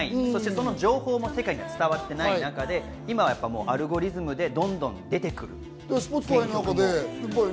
そしてその情報も世界には伝わっていない中で今はアルゴリズムでどんどん出てくる。